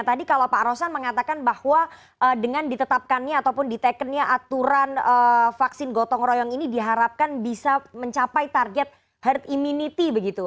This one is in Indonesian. tadi kalau pak rosan mengatakan bahwa dengan ditetapkannya ataupun ditekennya aturan vaksin gotong royong ini diharapkan bisa mencapai target herd immunity begitu